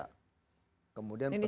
ini seluruh indonesia